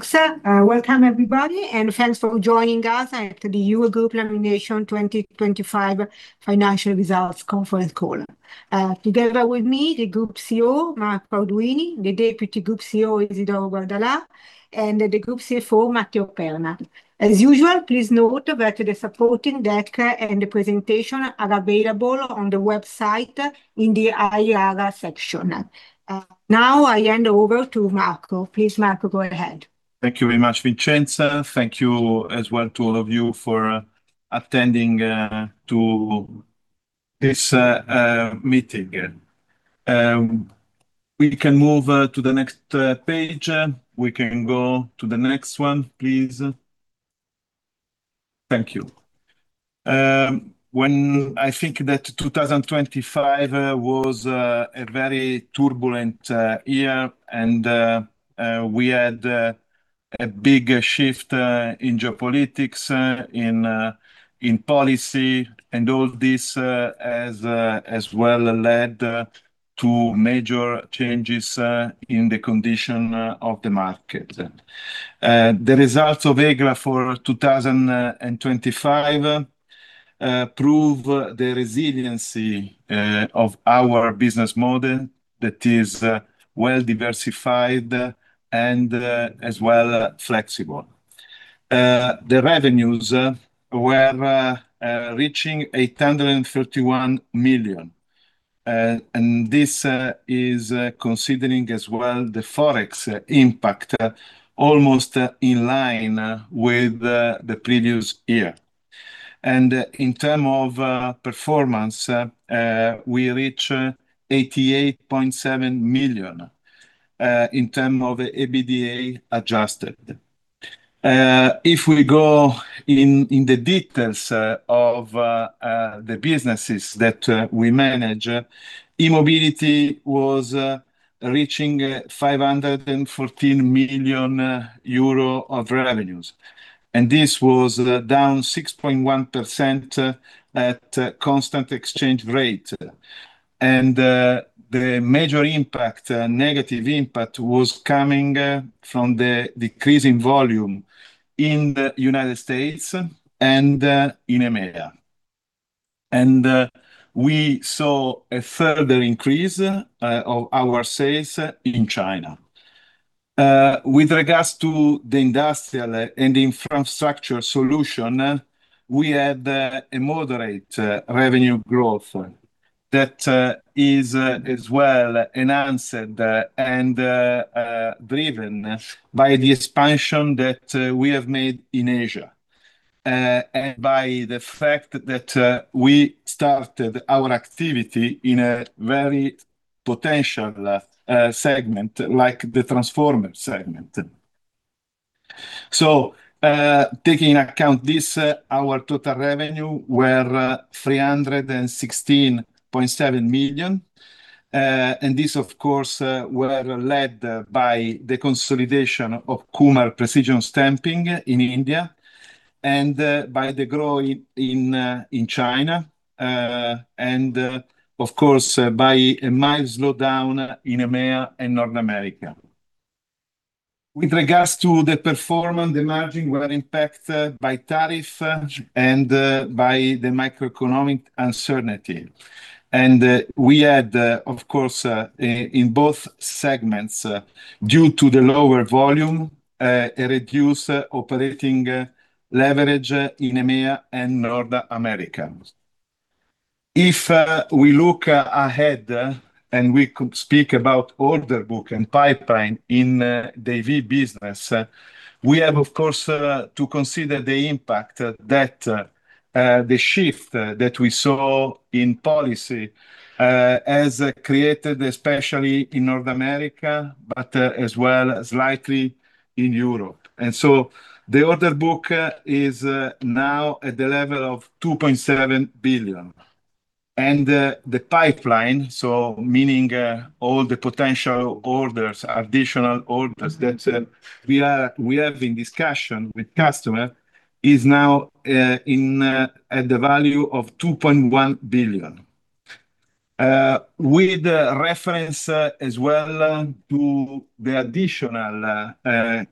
Thanks. Welcome everybody, and thanks for joining us at the Eurogroup Laminations 2025 financial results conference call. Together with me, the Group CEO, Marco Arduini, the Deputy Group CEO, Isidoro Guardalà, and the Group CFO, Matteo Perna. As usual, please note that the supporting deck and the presentation are available on the website in the IR section. Now I hand over to Marco. Please, Marco, go ahead. Thank you very much, Vincenza. Thank you as well to all of you for attending to this meeting. We can move to the next page. We can go to the next one, please. Thank you. When I think that 2025 was a very turbulent year and we had a big shift in geopolitics, in policy and all this has as well led to major changes in the condition of the market. The results of Eurogroup for 2025 prove the resiliency of our business model that is well diversified and as well flexible. The revenues were reaching 831 million, and this is considering as well the Forex impact, almost in line with the previous year. In terms of performance, we reach 88.7 million in terms of the adjusted EBITDA. If we go in the details of the businesses that we manage, e-mobility was reaching 514 million euro of revenues, and this was down 6.1% at constant exchange rate. The major impact, negative impact, was coming from the decrease in volume in the United States and in EMEA. We saw a further increase of our sales in China. With regards to the Industrial and Infrastructure Solution, we had a moderate revenue growth that is as well enhanced and driven by the expansion that we have made in Asia and by the fact that we started our activity in a very potential segment like the transformer segment. Taking into account this, our total revenue were 316.7 million. And this of course were led by the consolidation of Kumar Precision Stampings in India and by the growth in China and of course by a mild slowdown in EMEA and North America. With regards to the performance, the margin were impacted by tariff and by the macroeconomic uncertainty. We had, of course, in both segments, due to the lower volume, a reduced operating leverage in EMEA and North America. If we look ahead and we could speak about order book and pipeline in the EV business, we have, of course, to consider the impact that the shift that we saw in policy has created, especially in North America, but as well slightly in Europe. The order book is now at the level of 2.7 billion. The pipeline, so meaning all the potential orders, additional orders that we have in discussion with customer, is now at the value of 2.1 billion. With reference, as well, to the additional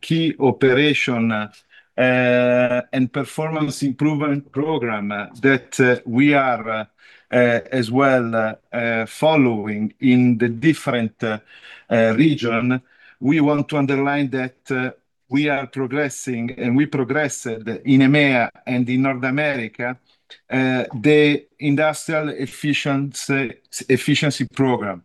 key operational and performance improvement program that we are, as well, following in the different region, we want to underline that we are progressing and we progressed in EMEA and in North America the industrial efficiency program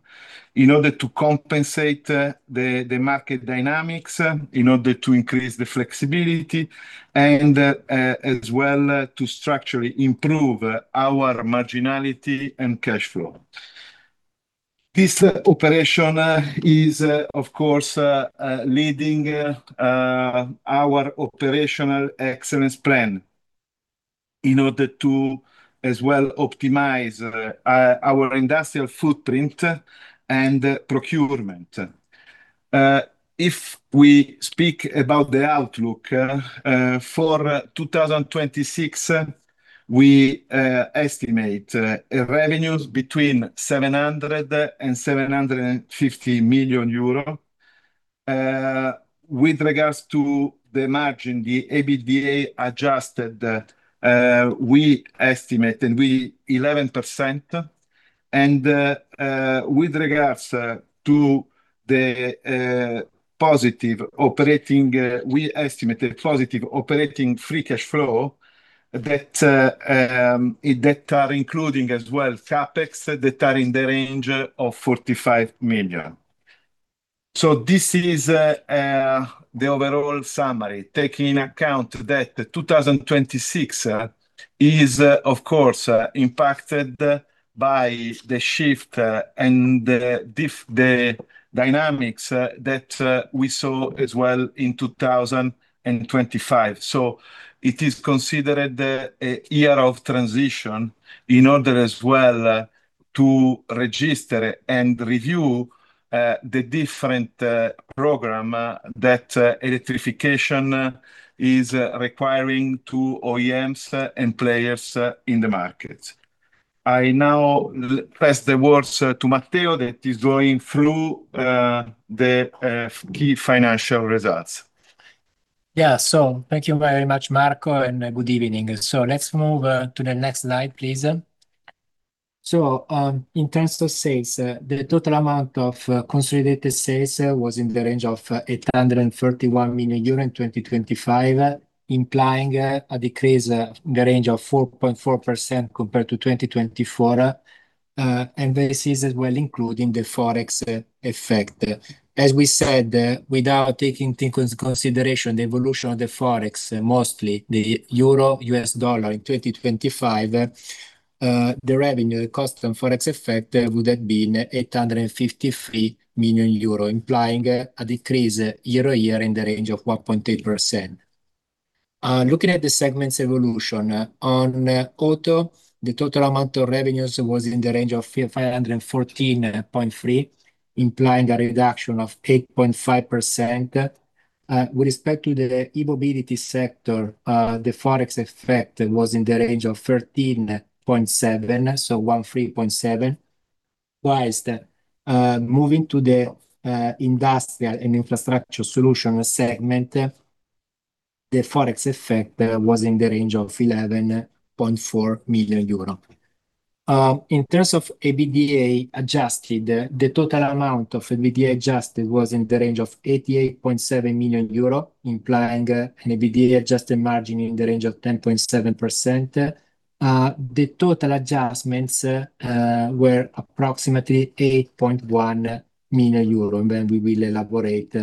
in order to compensate the market dynamics, in order to increase the flexibility and, as well to structurally improve our marginality and cash flow. This operation is, of course, leading our operational excellence plan in order to as well optimize our industrial footprint and procurement. If we speak about the outlook for 2026, we estimate revenues between 700 million euro and 750 million euro. With regards to the margin, the adjusted EBITDA that we estimate at 11%. With regards to the positive operating, we estimate a positive operating free cash flow that includes as well CapEx that are in the range of 45 million. This is the overall summary, taking account that 2026 is, of course, impacted by the shift and the dynamics that we saw as well in 2025. It is considered a year of transition in order as well to register and review the different program that electrification is requiring to OEMs and players in the market. I now pass the words to Matteo that he's going through the key financial results. Yeah. Thank you very much, Marco, and good evening. Let's move to the next slide, please. In terms of sales, the total amount of consolidated sales was in the range of 831 million euro in 2025, implying a decrease in the range of 4.4% compared to 2024. And this is as well including the Forex effect. As we said, without taking into consideration the evolution of the Forex, mostly the EUR/USD in 2025, the revenues at constant Forex effect would have been 853 million euro, implying a decrease year -on- year in the range of 1.8%. Looking at the segments evolution. On auto, the total amount of revenues was in the range of 514.3 million, implying a reduction of 8.5%. With respect to the E-Mobility sector, the Forex effect was in the range of 13.7 million. Whilst moving to the industrial and infrastructure solution segment, the Forex effect was in the range of 11.4 million euro. In terms of EBITDA adjusted, the total amount of EBITDA adjusted was in the range of 88.7 million euro, implying an EBITDA-adjusted margin in the range of 10.7%. The total adjustments were approximately 8.1 million euro, and then we will elaborate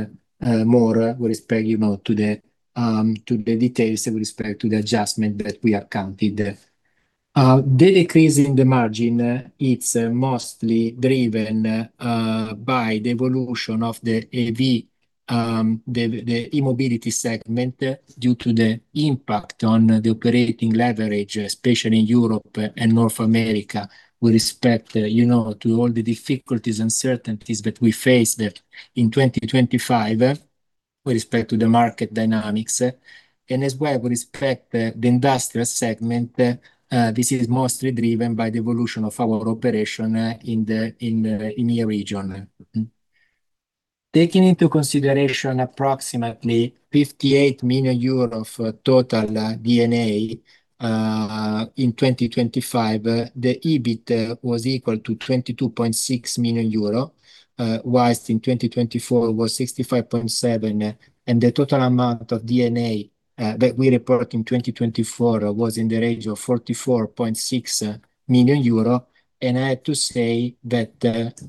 more with respect, you know, to the details with respect to the adjustment that we accounted there. The decrease in the margin, it's mostly driven by the evolution of the EV, the E-Mobility segment, due to the impact on the operating leverage, especially in Europe and North America with respect, you know, to all the difficulties, uncertainties that we faced in 2025 with respect to the market dynamics. As well with respect to the Industrial segment, this is mostly driven by the evolution of our operation in the EMEA region. Taking into consideration approximately 58 million euros of total D&A in 2025, the EBIT was equal to 22.6 million euro, while in 2024 was 65.7. The total amount of D&A that we report in 2024 was in the range of 44.6 million euro. I have to say that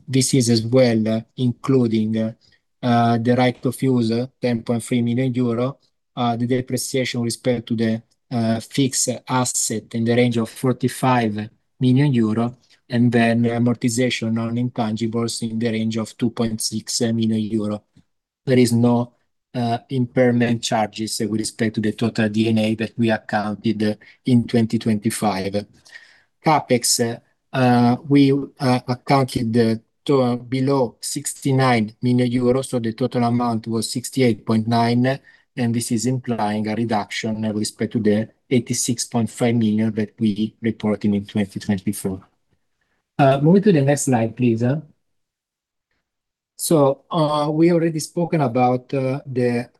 this is as well including the right-of-use 10.3 million euro, the depreciation with respect to the fixed asset in the range of 45 million euro, and then the amortization on intangibles in the range of 2.6 million euro. There is no impairment charges with respect to the total D&A that we accounted in 2025. CapEx, we accounted to below 69 million euros, so the total amount was 68.9 million, and this is implying a reduction with respect to the 86.5 million that we reported in 2024. Moving to the next slide, please. We already spoken about the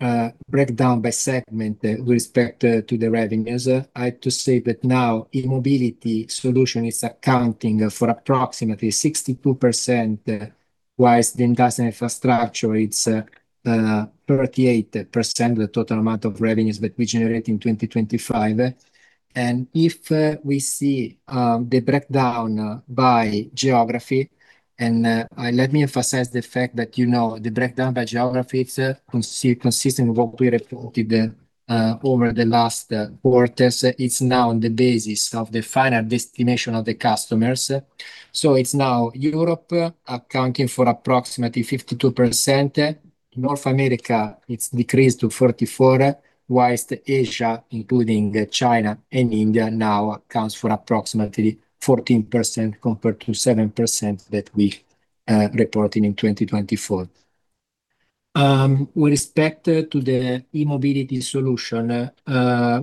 breakdown by segment with respect to the revenues. I have to say that now e-mobility solution is accounting for approximately 62%, while the industrial and infrastructure solution, it's 38% the total amount of revenues that we generate in 2025. If we see the breakdown by geography, let me emphasize the fact that, you know, the breakdown by geography it's consistent with what we reported over the last quarters. It's now on the basis of the final destination of the customers. It's now Europe accounting for approximately 52%. North America, it's decreased to 44%, while Asia, including China and India, now accounts for approximately 14% compared to 7% that we reported in 2024. With respect to the E-Mobility solution,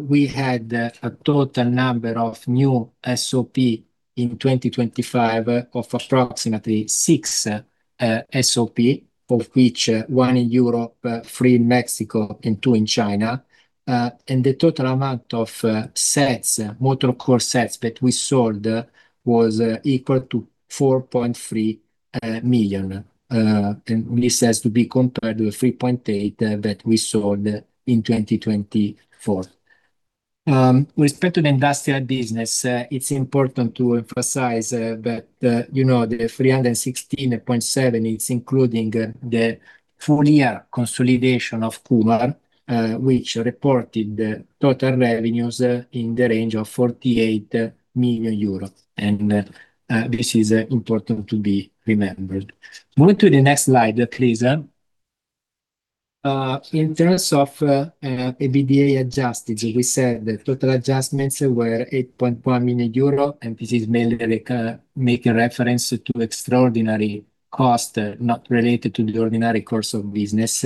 we had a total number of new SOPs in 2025 of approximately six SOPs of which one in Europe, three in Mexico, and two in China. The total amount of sets, motor core sets that we sold was equal to 4.3 million. This has to be compared with 3.8 that we sold in 2024. With respect to the industrial business, it's important to emphasize that, you know, the 316.7 is including the full year consolidation of Kumar, which reported total revenues in the range of 48 million euros, and this is important to be remembered. Moving to the next slide, please. In terms of EBITDA adjusted, we said that total adjustments were 8.1 million euro, and this is mainly makes reference to extraordinary costs not related to the ordinary course of business.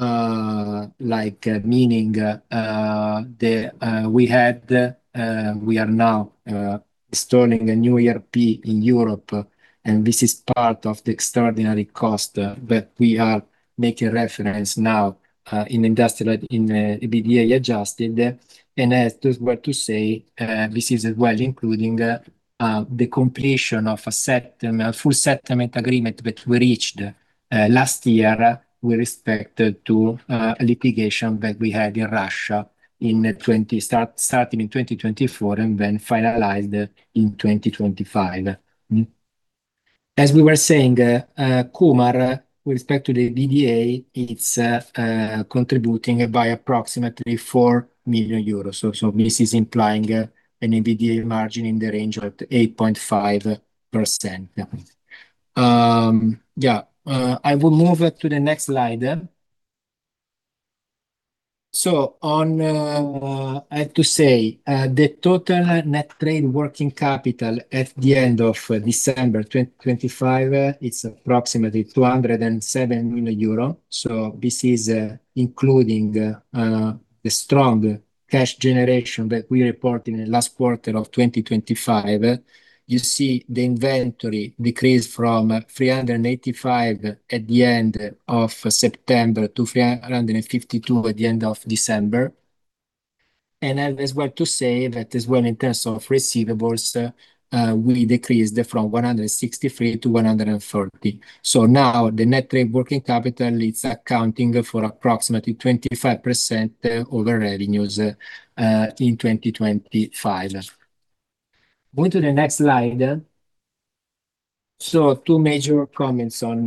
Like, meaning, we are now installing a new ERP in Europe, and this is part of the extraordinary cost that we are making reference now in industrial in the EBITDA adjusted. As I just was saying, this is as well including the completion of the settlement agreement that we reached last year with respect to litigation that we had in Russia starting in 2024, and then finalized in 2025. As we were saying, Kumar, with respect to the EBITDA, it's contributing by approximately 4 million euros. This is implying an EBITDA margin in the range of 8.5%. I will move it to the next slide. I have to say, the total net trade working capital at the end of December 2025 is approximately 207 million euro. This is including the strong cash generation that we report in the last quarter of 2025. You see the inventory decreased from 385 at the end of September to 352 at the end of December. As well in terms of receivables, we decreased from 163 - 140. Now the net trade working capital is accounting for approximately 25% over revenues in 2025. Moving to the next slide. Two major comments on,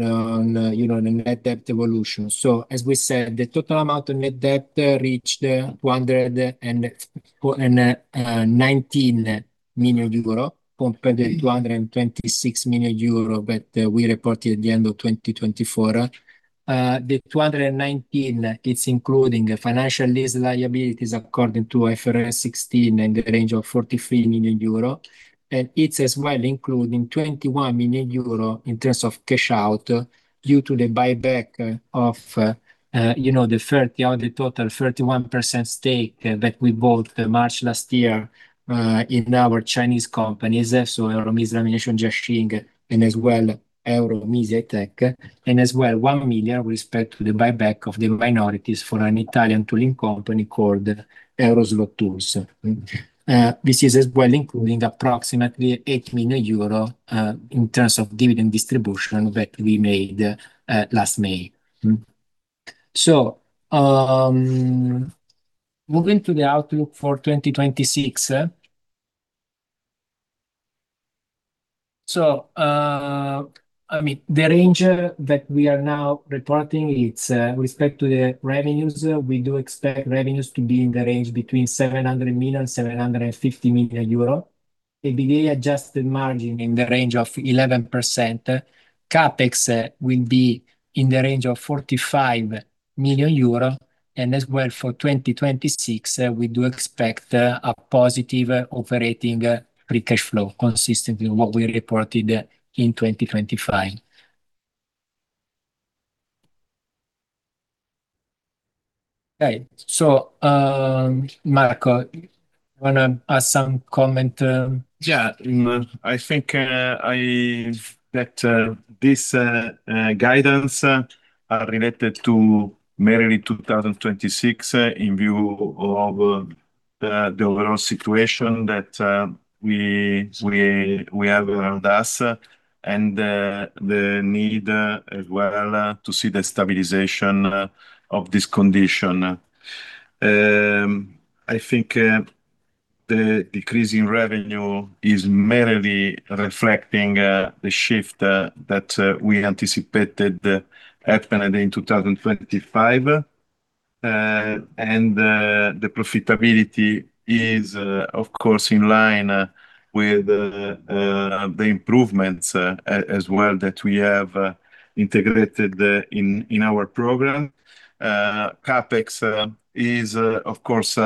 you know, the net debt evolution. As we said, the total amount of net debt reached 219 million euro compared to 226 million euro that we reported at the end of 2024. The 219 is including financial lease liabilities according to IFRS 16 in the range of 43 million euro. It's as well including 21 million euro in terms of cash out due to the buyback of, you know, the thirty or the total 31% stake that we bought March last year, in our Chinese companies. Euro Misi Laminations Jiaxing, and as well Euro Misi High-tech, and as well 1 million with respect to the buyback of the minorities for an Italian tooling company called Euroslot Tools. This is as well including approximately 8 million euro in terms of dividend distribution that we made last May. Moving to the outlook for 2026. I mean, the range that we are now reporting is with respect to the revenues, we do expect revenues to be in the range between 700 million-750 million euro. EBITDA adjusted margin in the range of 11%. CapEx will be in the range of 45 million euro. As well for 2026, we do expect a positive operating free cash flow consistent with what we reported in 2025. Okay. Marco, you wanna add some comment? I think that this guidance related to mainly 2026 in view of the overall situation that we have around us and the need as well to see the stabilization of this condition. The decrease in revenue is merely reflecting the shift that we anticipated happening in 2025. The profitability is of course in line with the improvements as well that we have integrated in our program. CapEx is of course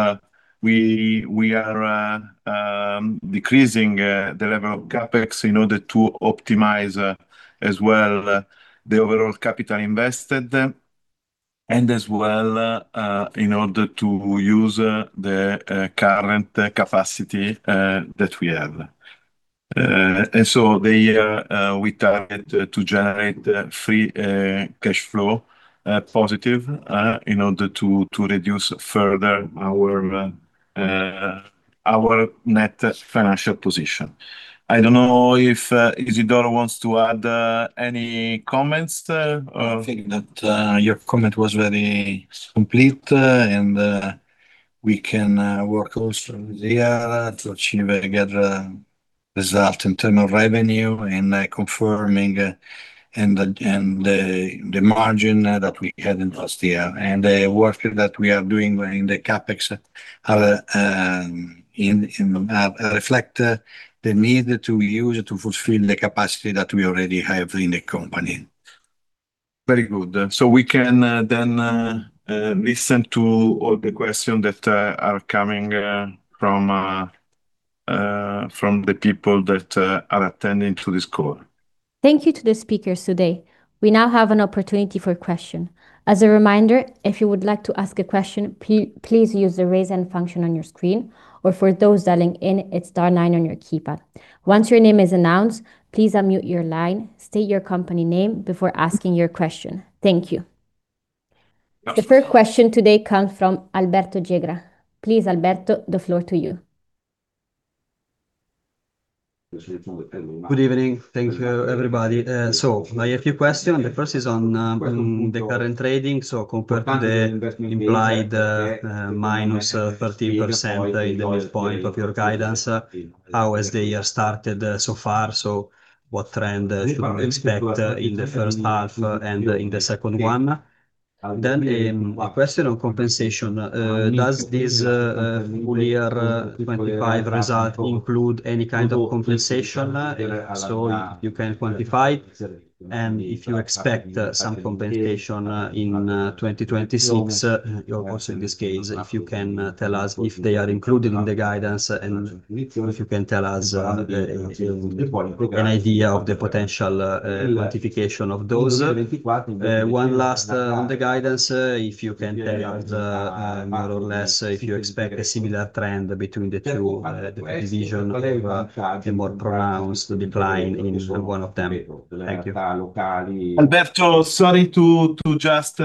we are decreasing the level of CapEx in order to optimize as well the overall capital invested. As well, in order to use the current capacity that we have. The year we targeted to generate free cash flow positive in order to reduce further our net financial position. I don't know if Isidoro wants to add any comments. I think that your comment was very complete, and we can work also this year to achieve a better result in terms of revenue and confirming the margin that we had in last year. The work that we are doing in the CapEx are to reflect the need to use to fulfill the capacity that we already have in the company. Very good. We can then listen to all the questions that are coming from the people that are attending to this call. Thank you to the speakers today. We now have an opportunity for question. As a reminder, if you would like to ask a question, please use the Raise Hand function on your screen, or for those dialing in, it's star nine on your keypad. Once your name is announced, please unmute your line, state your company name before asking your question. Thank you. The first question today comes from Alberto Jarach. Please, Alberto, the floor to you. Good evening. Thank you, everybody. I have a few questions. The first is on the current trading. Compared to the implied -30% in the midpoint of your guidance, how has the year started so far? What trend should we expect in the first half and in the second one? A question on compensation. Does this full year 2025 result include any kind of compensation? If so, you can quantify it. And if you expect some compensation in 2026, also in this case if you can tell us if they are included in the guidance and if you can tell us an idea of the potential quantification of those. One last on the guidance, if you can tell us more or less if you expect a similar trend between the two division or if a more pronounced decline in one of them? Thank you. Alberto, sorry to just.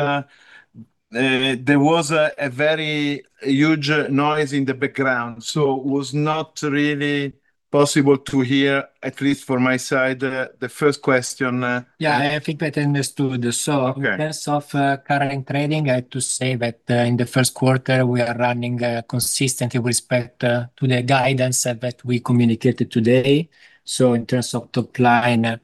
There was a very huge noise in the background, so it was not really possible to hear, at least for my side, the first question. Yeah, I think I understood. Okay In case of current trading, I have to say that in the first quarter we are running consistently with respect to the guidance that we communicated today. In terms of top line,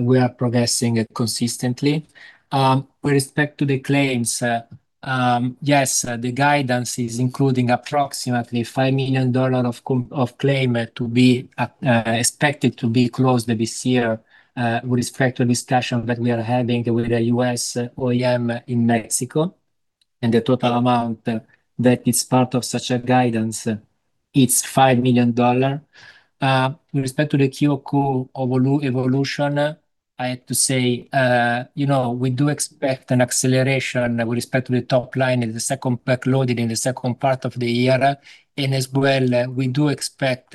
we are progressing consistently. With respect to the claims, yes, the guidance is including approximately $5 million of claims to be expected to be closed this year, with respect to the discussion that we are having with the U.S. OEM in Mexico, and the total amount that is part of such a guidance, it's $5 million. With respect to the QOQ evolution, I have to say, you know, we do expect an acceleration with respect to the top line in the second half back-loaded in the second part of the year. As well, we do expect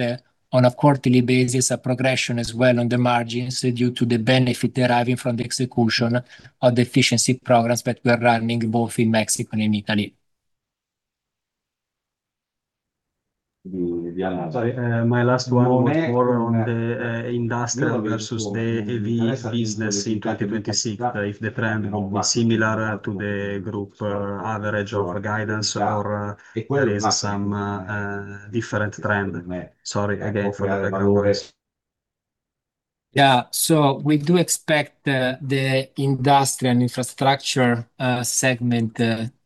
on a quarterly basis a progression as well on the margins due to the benefit deriving from the execution of the efficiency programs that we're running both in Mexico and in Italy. Sorry, my last one was more on the industrial versus the EV business in 2026, if the trend will be similar to the group average of guidance or there is some different trend. Sorry again for the noise. We do expect the industrial and infrastructure segment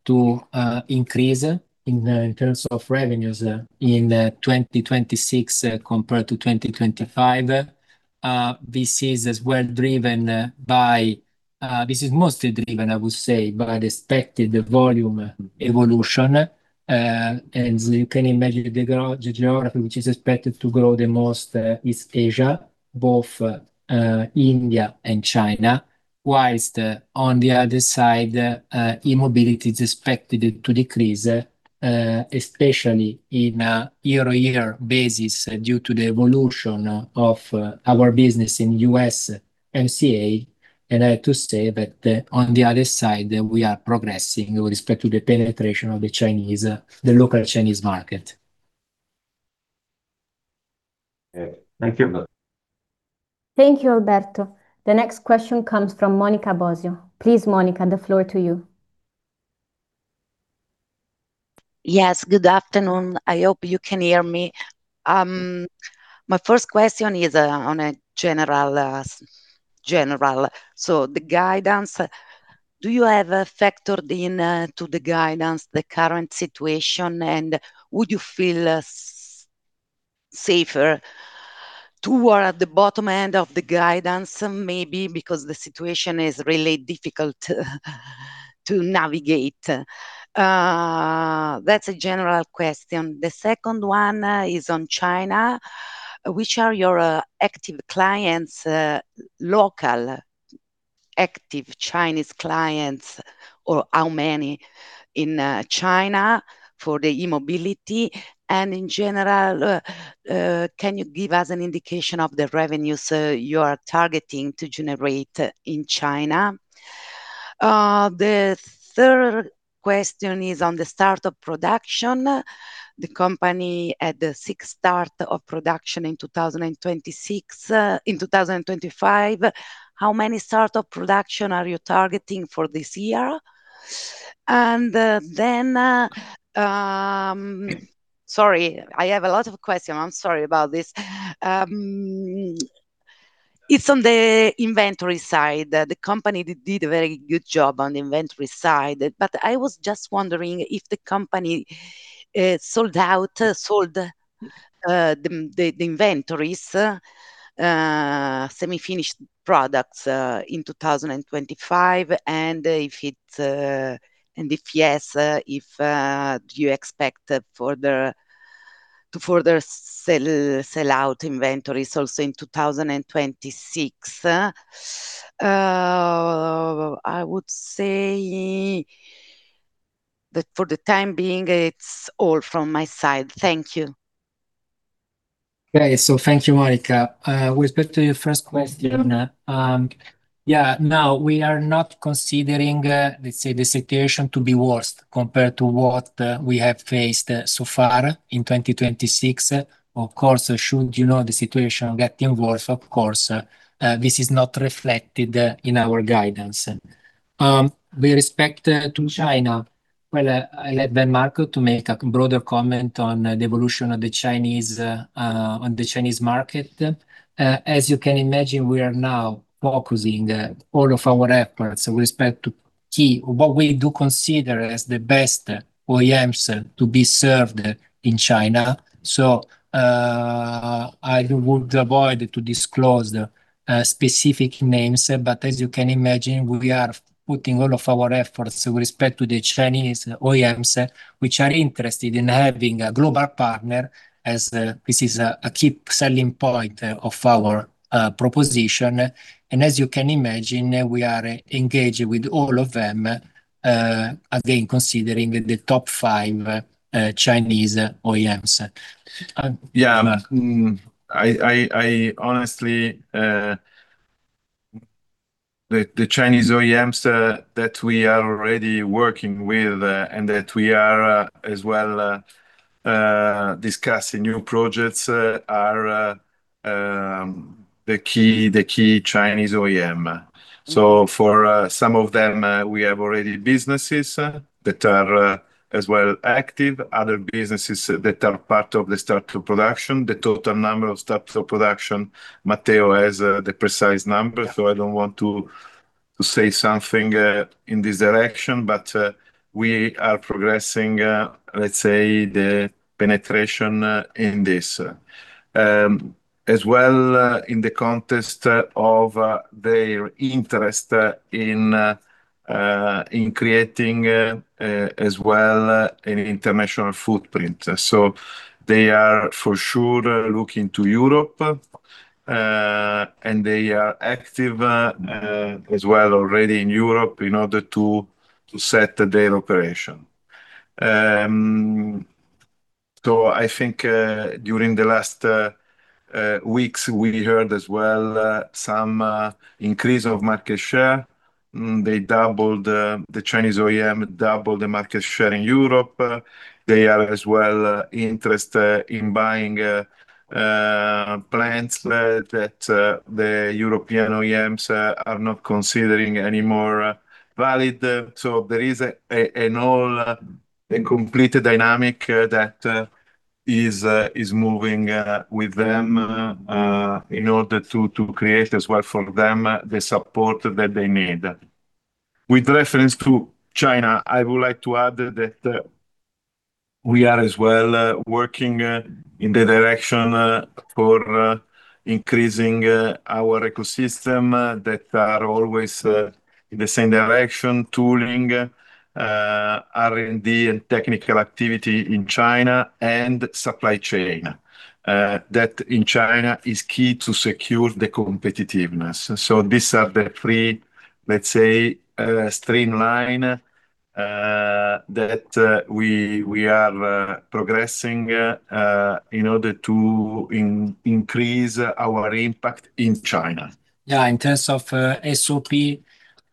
to increase in terms of revenues in 2026 compared to 2025. This is mostly driven, I would say, by the expected volume evolution. You can imagine the geography which is expected to grow the most is Asia, both India and China, while on the other side, e-mobility is expected to decrease, especially on a year-on-year basis due to the evolution of our business in USMCA. I have to say that on the other side, we are progressing with respect to the penetration of the local Chinese market. Okay. Thank you. Thank you, Alberto. The next question comes from Monica Bosio. Please, Monica, the floor to you. Yes, good afternoon. I hope you can hear me. My first question is on a general. The guidance, do you have factored in to the guidance the current situation? Would you feel safer toward the bottom end of the guidance maybe because the situation is really difficult to navigate? That's a general question. The second one is on China. Which are your active clients, local active Chinese clients, or how many in China for the E-Mobility? And in general, can you give us an indication of the revenues you are targeting to generate in China? The third question is on the start of production. The company at the six start of production in 2026, in 2025. How many start of production are you targeting for this year? Sorry, I have a lot of question. I'm sorry about this. It's on the inventory side. The company did a very good job on the inventory side. I was just wondering if the company sold the inventories, semi-finished products, in 2025, and if yes, do you expect to further sell out inventories also in 2026? I would say that for the time being, it's all from my side. Thank you. Great. Thank you, Monica. With respect to your first question, yeah, now we are not considering, let's say, the situation to be worse compared to what we have faced so far in 2026. Of course, should, you know, the situation getting worse, of course, this is not reflected in our guidance. With respect to China, well, I let then Marco to make a broader comment on the evolution of the Chinese, on the Chinese market. As you can imagine, we are now focusing all of our efforts with respect to key, what we do consider as the best OEMs to be served in China. I would avoid to disclose the specific names, but as you can imagine, we are putting all of our efforts with respect to the Chinese OEMs, which are interested in having a global partner as this is a key selling point of our proposition. As you can imagine, we are engaging with all of them again, considering the top five Chinese OEMs. I honestly the Chinese OEMs that we are already working with and that we are as well discussing new projects are the key Chinese OEMs. For some of them, we already have businesses that are as well active. Other businesses that are part of the start of production. The total number of starts of production, Matteo has the precise number, so I don't want to say something in this direction. We are progressing, let's say, the penetration in this as well in the context of their interest in creating as well an international footprint. They are for sure looking to Europe, and they are active as well already in Europe in order to set their operation. I think during the last weeks, we heard as well some increase of market share. The Chinese OEM doubled the market share in Europe. They are as well interested in buying plants that the European OEMs are not considering anymore valid. There is a complete dynamic that is moving with them in order to create as well for them the support that they need. With reference to China, I would like to add that we are as well working in the direction for increasing our ecosystem that are always in the same direction. Tooling, R&D and technical activity in China and supply chain that in China is key to secure the competitiveness. These are the three, let's say, streamline that we are progressing in order to increase our impact in China. In terms of SOP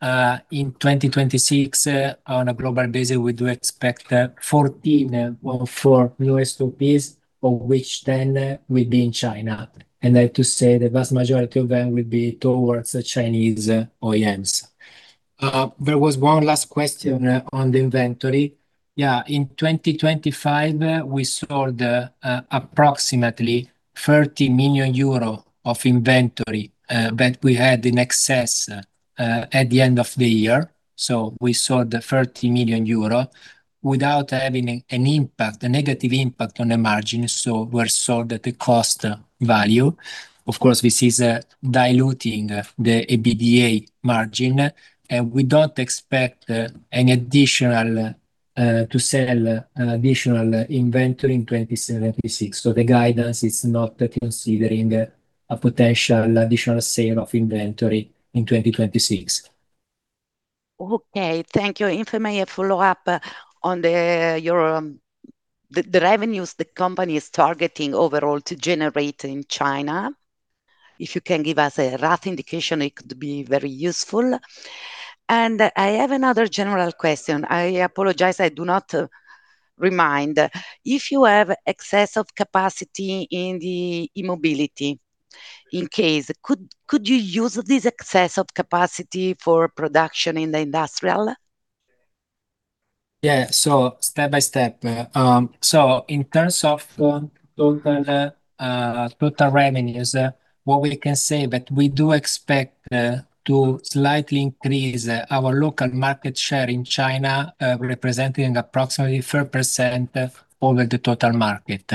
in 2026 on a global basis, we do expect 14 new SOPs, of which 10 will be in China. I have to say the vast majority of them will be towards the Chinese OEMs. There was one last question on the inventory. In 2025, we sold approximately 30 million euro of inventory that we had in excess at the end of the year. We sold 30 million euro without having a negative impact on the margin. We sold at the cost value. Of course, this is diluting the EBITDA margin. We don't expect any additional inventory to sell in 2026. The guidance is not considering a potential additional sale of inventory in 2026. Okay. Thank you. If I may follow up on the revenues the company is targeting overall to generate in China, if you can give us a rough indication, it could be very useful. I have another general question. I apologize, I do not remember. If you have excess capacity in the E-Mobility, in case, could you use this excess capacity for production in the industrial? Step by step. In terms of total revenues, what we can say that we do expect to slightly increase our local market share in China, representing approximately 3% over the total market.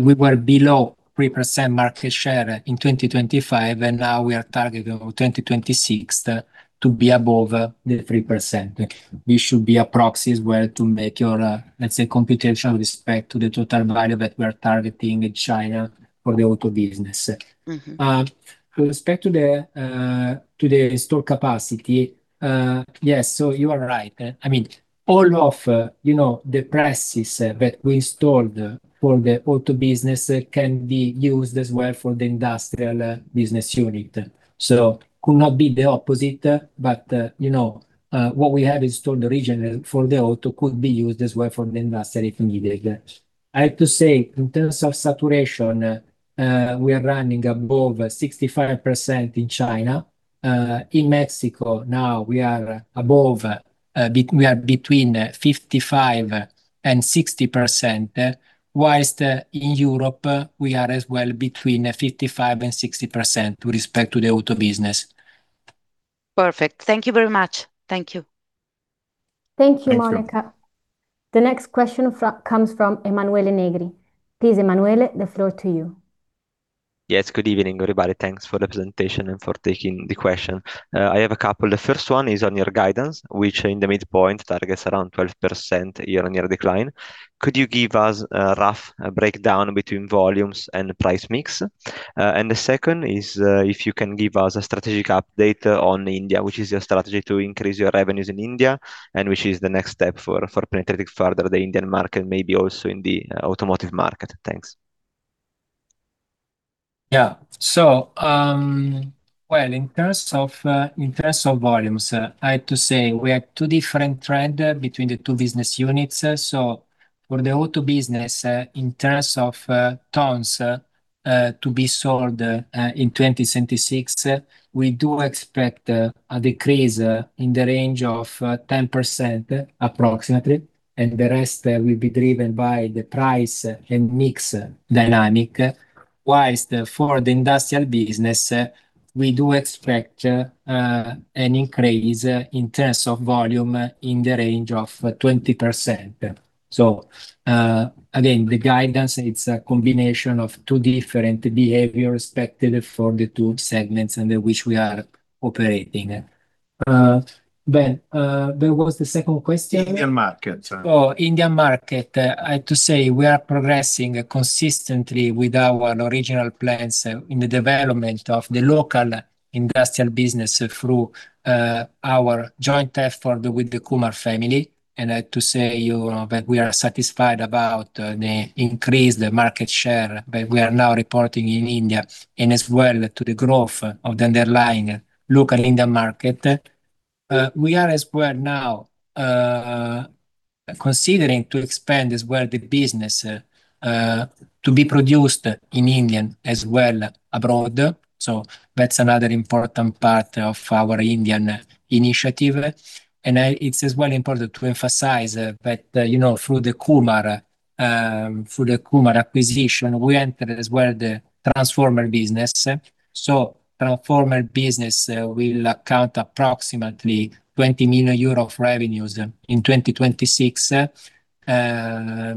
We were below 3% market share in 2025, and now we are targeting 2026 to be above the 3%. This should be a proxy as well to make your, let's say, computation with respect to the total value that we are targeting in China for the auto business. Mm-hmm. With respect to the stator capacity, yes, you are right. I mean, all of, you know, the presses that we installed for the auto business can be used as well for the industrial business unit. Could not be the opposite, but, you know, what we have installed originally for the auto could be used as well for the industrial if needed. I have to say, in terms of saturation, we are running above 65% in China. In Mexico now we are above, we are between 55% and 60%, while in Europe we are as well between 55% and 60% with respect to the auto business. Perfect. Thank you very much. Thank you. Thank you, Monica. Thank you. The next question comes from Emanuele Negri. Please, Emanuele, the floor to you. Yes. Good evening, everybody. Thanks for the presentation and for taking the question. I have a couple. The first one is on your guidance, which in the midpoint targets around 12% year-on-year decline. Could you give us a rough breakdown between volumes and price mix? And the second is, if you can give us a strategic update on India, which is your strategy to increase your revenues in India, and which is the next step for penetrating further the Indian market, maybe also in the automotive market. Thanks. Yeah. Well, in terms of volumes, I have to say we have two different trends between the two business units. For the auto business, in terms of tons to be sold in 2026, we do expect a decrease in the range of 10% approximately, and the rest will be driven by the price and mix dynamics. While for the industrial business, we do expect an increase in terms of volume in the range of 20%. Again, the guidance is a combination of two different behaviors expected for the two segments under which we are operating. There was the second question. Indian market. Oh, Indian market. I have to say we are progressing consistently with our original plans in the development of the local industrial business through our joint effort with the Kumar family. I have to say to you that we are satisfied about the increased market share that we are now reporting in India and as well to the growth of the underlying local Indian market. We are as well now considering to expand as well the business to be produced in India as well abroad. That's another important part of our Indian initiative. It's as well important to emphasize that, you know, through the Kumar acquisition, we entered as well the transformer business. Transformer business will account approximately 20 million euro of revenues in 2026.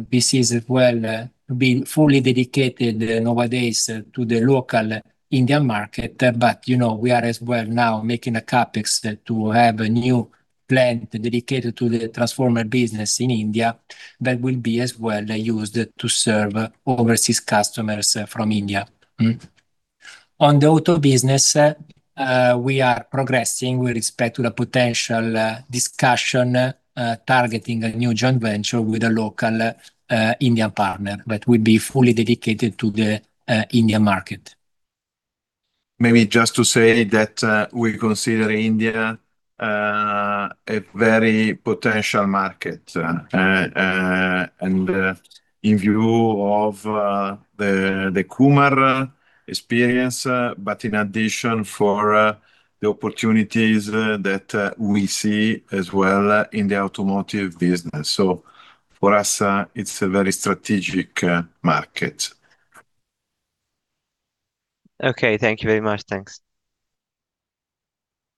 This is as well being fully dedicated nowadays to the local Indian market. You know, we are as well now making a CapEx to have a new plant dedicated to the transformer business in India that will be as well used to serve overseas customers from India. On the auto business, we are progressing with respect to the potential discussion targeting a new joint venture with a local Indian partner that will be fully dedicated to the Indian market. Maybe just to say that, we consider India a very potential market and in view of the Kumar experience, but in addition for the opportunities that we see as well in the automotive business. For us, it's a very strategic market. Okay. Thank you very much. Thanks.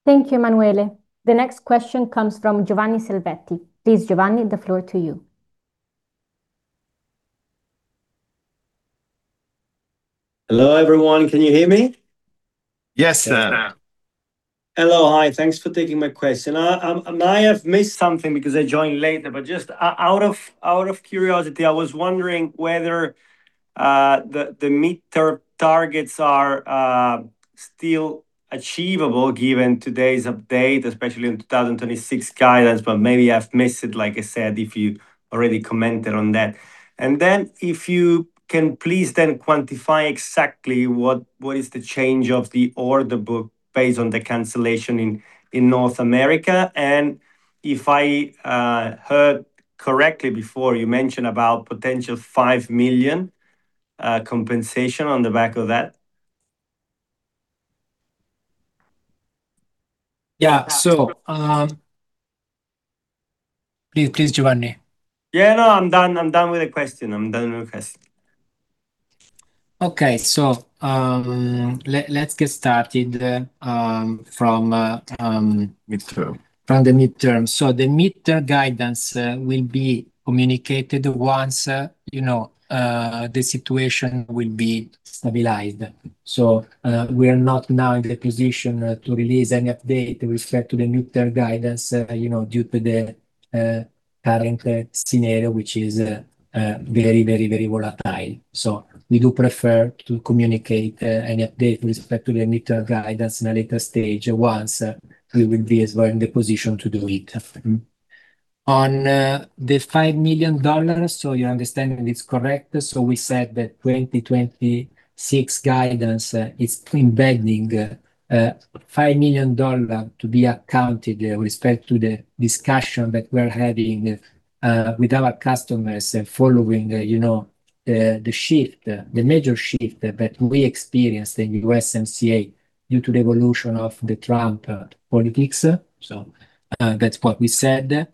Thank you, Emanuele. The next question comes from Giovanni Salvetti. Please, Giovanni, the floor to you. Hello, everyone. Can you hear me? Yes, sir. Hello. Hi, thanks for taking my question. I might have missed something because I joined later, but just out of curiosity, I was wondering whether the mid-term targets are still achievable given today's update, especially in 2026 guidance, but maybe I've missed it, like I said, if you already commented on that. Then if you can please quantify exactly what is the change of the order book based on the cancellation in North America. If I heard correctly before, you mentioned about potential $5 million compensation on the back of that. Yeah. Please, Giovanni. Yeah, no, I'm done with the question. Okay. Let's get started from. Midterm from the mid-term. The mid-term guidance will be communicated once, you know, the situation will be stabilized. We are not now in the position to release any update with respect to the mid-term guidance, you know, due to the current scenario, which is very volatile. We do prefer to communicate any update with respect to the mid-term guidance in a later stage once we will be as well in the position to do it. On the $5 million, your understanding is correct. We said that 2026 guidance is embedding $5 million to be accounted with respect to the discussion that we're having with our customers following, you know, the shift, the major shift that we experienced in US MCA due to the evolution of the Trump politics. That's what we said.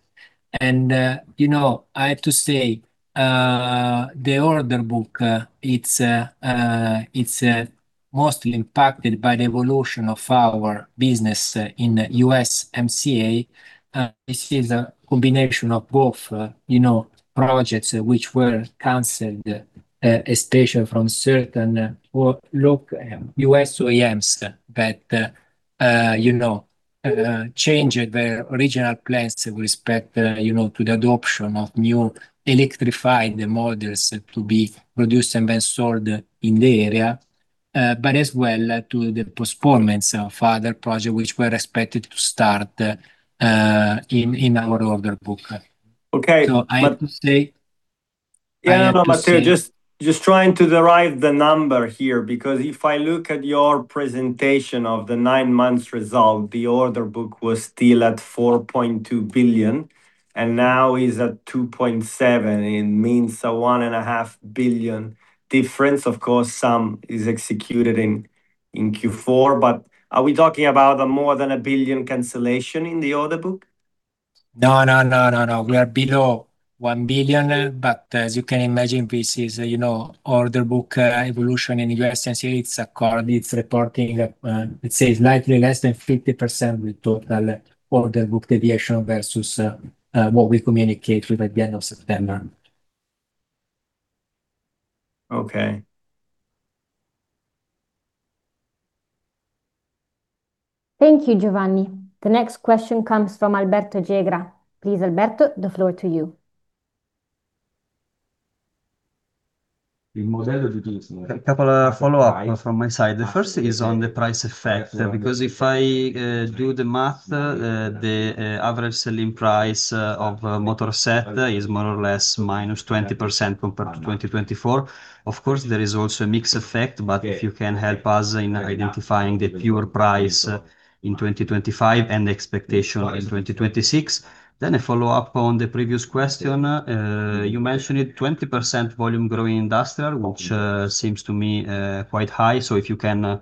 You know, I have to say, the order book is mostly impacted by the evolution of our business in USMCA. This is a combination of both, you know, projects which were canceled, especially from certain U.S. OEMs that, you know, changed their original plans with respect, you know, to the adoption of new electrified models to be produced and then sold in the area, but as well to the postponements of other projects which were expected to start in our order book. Okay. I have to say. No, Matteo, just trying to derive the number here because if I look at your presentation of the nine months result, the order book was still at 4.2 billion and now is at 2.7 billion. It means a 1.5 billion difference. Of course, some is executed in Q4. Are we talking about more than a 1 billion cancellation in the order book? No. We are below 1 billion. As you can imagine, this is a, you know, order book evolution in USMCA. It's reporting, let's say slightly less than 50% of the total order book deviation versus what we communicated at the end of September. Okay. Thank you, Giovanni. The next question comes from Alberto Jarach. Please, Alberto, the floor to you. A couple of follow-up from my side. The first is on the price effect, because if I do the math, the average selling price of a motor set is more or less -20% compared to 2024. Of course, there is also a mix effect, but if you can help us in identifying the pure price in 2025 and expectation in 2026. A follow-up on the previous question. You mentioned a 20% volume growth in industrial, which seems to me quite high. If you can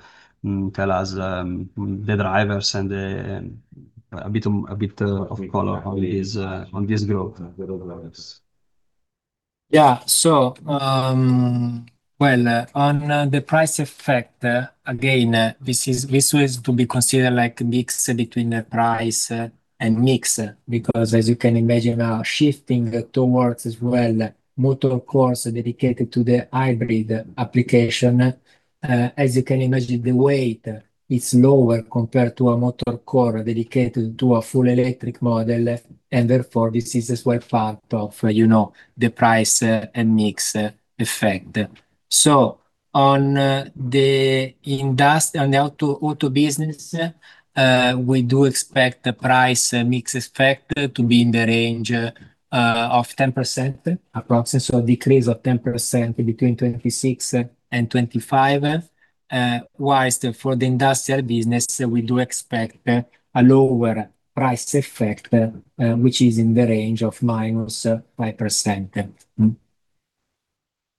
tell us the drivers and a bit of color on this growth. On the price effect, again, this is to be considered like a mix between the price and mix, because as you can imagine, our shifting towards as well motor cores dedicated to the hybrid application. As you can imagine, the weight is lower compared to a motor core dedicated to a full electric model, and therefore this is as well part of, you know, the price and mix effect. On the auto business, we do expect the price and mix effect to be in the range of 10% approximately, so a decrease of 10% between 2026 and 2025. Whilst for the industrial business, we do expect a lower price effect, which is in the range of -5%.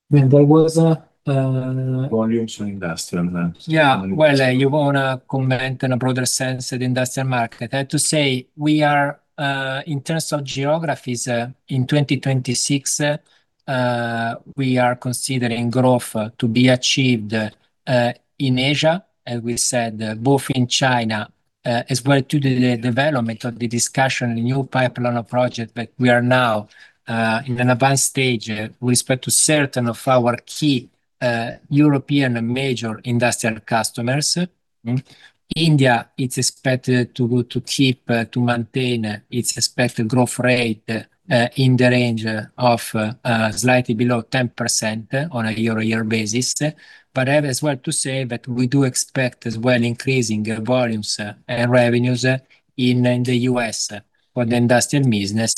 Volume to industrial. Yeah. Well, you want to comment in a broader sense the industrial market. I have to say, we are in terms of geographies in 2026 we are considering growth to be achieved in Asia, as we said, both in China, as well as the development of the discussion, the new pipeline of projects that we are now in an advanced stage with respect to certain of our key European major industrial customers. India, it's expected to maintain its expected growth rate in the range of slightly below 10% on a year-on-year basis. I have as well to say that we do expect as well increasing volumes and revenues in the U.S. for the industrial business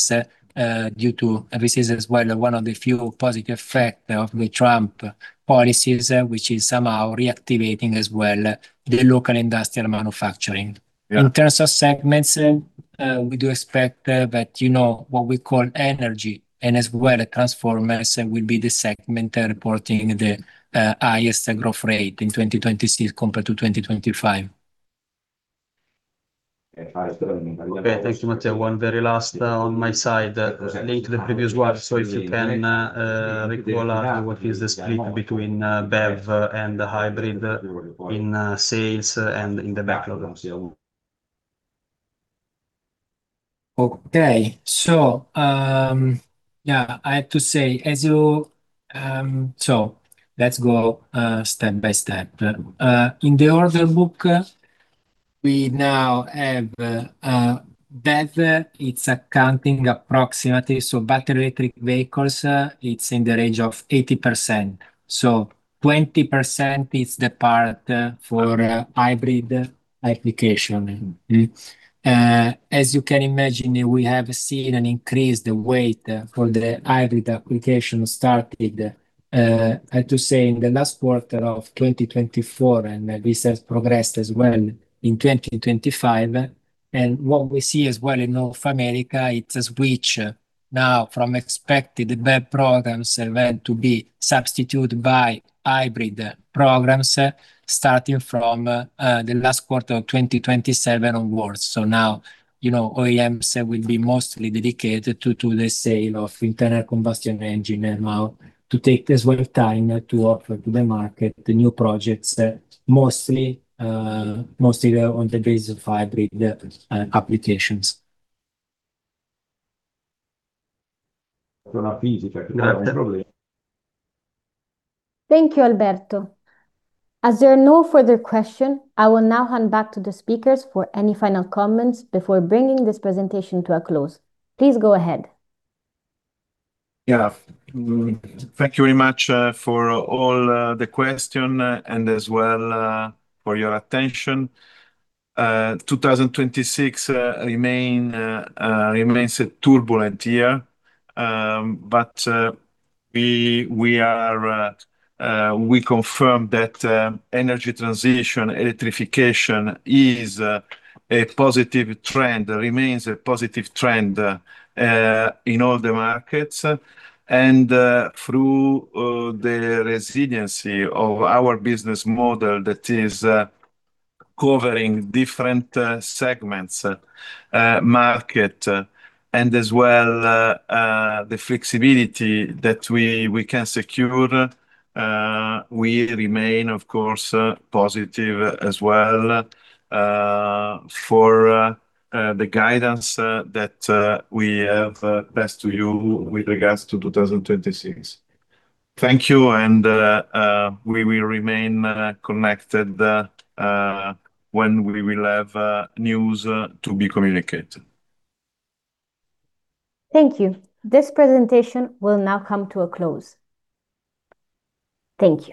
due to... This is as well one of the few positive effect of the Trump policies, which is somehow reactivating as well the local industrial manufacturing. Yeah. In terms of segments, we do expect that, you know, what we call energy and as well transformers will be the segment reporting the highest growth rate in 2026 compared to 2025. Okay. Thank you, Matteo. One very last on my side linked to the previous one. If you can recall what is the split between BEV and the hybrid in sales and in the backlog? Yeah, I have to say, let's go step by step. In the order book, we now have BEV, it's accounting approximately. Battery electric vehicles, it's in the range of 80%. So 20% is the part for hybrid application. As you can imagine, we have seen an increased weight for the hybrid application started, I have to say, in the last quarter of 2024, and this has progressed as well in 2025. What we see as well in North America, it switch now from expected BEV programs went to be substituted by hybrid programs starting from the last quarter of 2027 onwards. Now, you know, OEMs will be mostly dedicated to the sale of internal combustion engine and now to take this well time to offer to the market the new projects, mostly on the basis of hybrid applications. No problem. Thank you, Alberto. As there are no further questions, I will now hand back to the speakers for any final comments before bringing this presentation to a close. Please go ahead. Yeah. Thank you very much for all the questions and as well for your attention. 2026 remains a turbulent year, but we confirm that energy transition electrification is a positive trend, remains a positive trend in all the markets. Through the resiliency of our business model that is covering different segments market and as well the flexibility that we can secure, we remain, of course, positive as well for the guidance that we have passed to you with regards to 2026. Thank you, we will remain connected when we will have news to be communicated. Thank you. This presentation will now come to a close. Thank you.